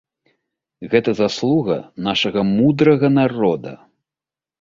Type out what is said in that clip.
Гэта заслуга нашага мудрага народа.